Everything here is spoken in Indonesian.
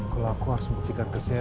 kalau aku harus membuktikan ke saya